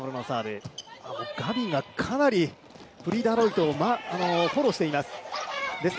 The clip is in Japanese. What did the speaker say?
ガビがかなりプリ・ダロイトをフォローしています。